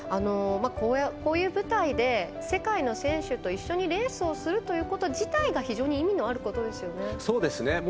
こういう舞台で世界の選手と一緒にレースをするということ自体が非常に意味のあることですよね。